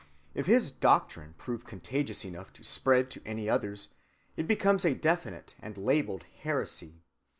If his doctrine prove contagious enough to spread to any others, it becomes a definite and labeled heresy.